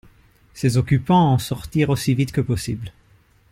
Ses occupants en sortirent aussi vite que possible.